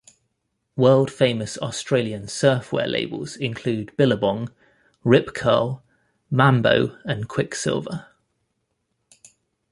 World-famous Australian surfwear labels include Billabong, Rip Curl, Mambo and Quiksilver.